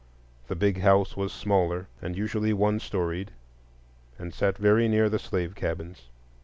The Big House was smaller and usually one storied, and sat very near the slave cabins.